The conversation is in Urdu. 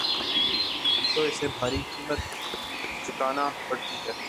تو اسے بھاری قیمت چکانا پڑتی ہے۔